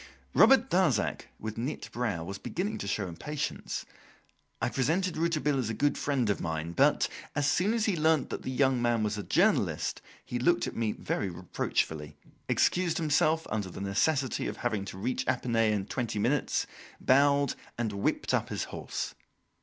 Robert Darzac, with knit brow, was beginning to show impatience. I presented Rouletabille as a good friend of mine, but, as soon as he learnt that the young man was a journalist, he looked at me very reproachfully, excused himself, under the necessity of having to reach Epinay in twenty minutes, bowed, and whipped up his horse.